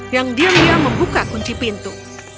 yang diam diam membuka kunci pintu